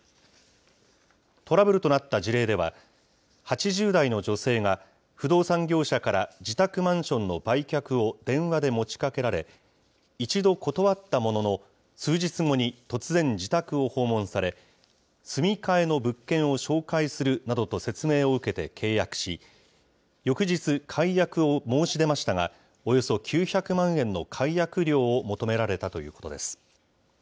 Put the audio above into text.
トラブルとなった事例では、８０代の女性が、不動産業者から自宅マンションの売却を電話で持ちかけられ、一度、断ったものの、数日後に突然自宅を訪問され、住み替えの物件を紹介するなどと説明を受けて、契約し、翌日、解約を申し出ましたが、およそ９００万円の解約料を求められたということです。